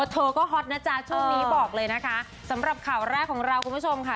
เธอก็ฮอตนะจ๊ะช่วงนี้บอกเลยนะคะสำหรับข่าวแรกของเราคุณผู้ชมค่ะ